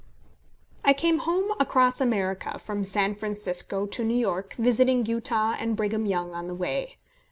I came home across America from San Francisco to New York, visiting Utah and Brigham Young on the way.